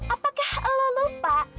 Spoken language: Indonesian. apakah lo lupa